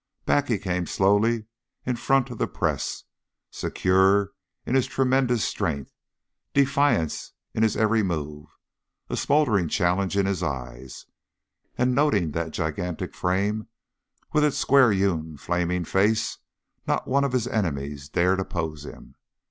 Back he came slowly, in front of the press, secure in his tremendous strength, defiance in his every move, a smouldering challenge in his eyes; and noting that gigantic frame with its square hewn, flaming face, not one of his enemies dared oppose him.